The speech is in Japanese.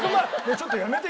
ちょっとやめて。